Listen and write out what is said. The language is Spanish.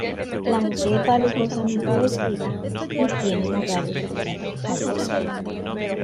La mujer va lujosamente vestida y tiene modales de clase alta.